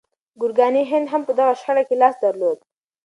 ګورګاني هند هم په دغه شخړه کې لاس درلود.